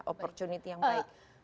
opportunity yang baik